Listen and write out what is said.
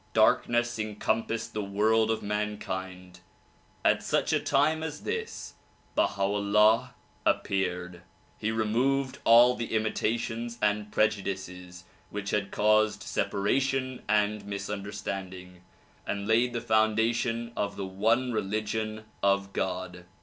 Darkness encompassed the world of mankind. At such a time as this, Baha 'Ullah appeared. He removed all the imitations and prejudices which had caused separation and misunderstanding, and laid the foundation of the one religion of God.